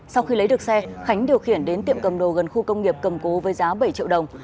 sau khi lấy được xe khánh điều khiển đến tiệm cầm đồ gần khu công nghiệp cầm cố với giá bảy triệu đồng